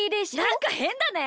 なんかへんだね。